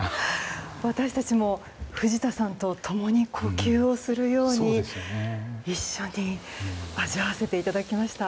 私たちも藤田さんと共に呼吸をするように一緒に味わせていただきました。